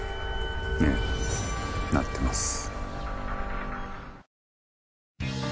ええなってます。